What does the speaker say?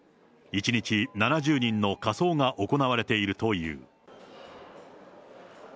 １日７０人の火葬が行われているという。